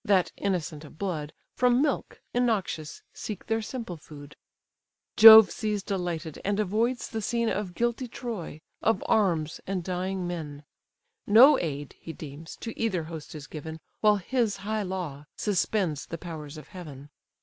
that, innocent of blood, From milk, innoxious, seek their simple food: Jove sees delighted; and avoids the scene Of guilty Troy, of arms, and dying men: No aid, he deems, to either host is given, While his high law suspends the powers of Heaven.